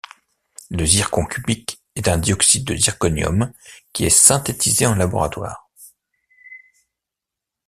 Le zircon cubique est un dioxyde de zirconium qui est synthétisé en laboratoire.